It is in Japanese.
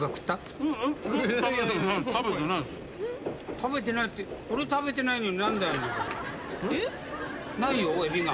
食べてないって俺食べてないのに何だよ。えっ？ないよエビが。